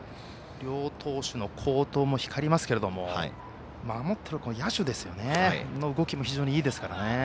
両投手の好投も光りますけれども守っている野手の動きも非常にいいですからね。